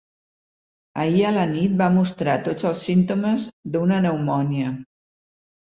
Ahir a la nit va mostrar tots els símptomes d'una pneumònia.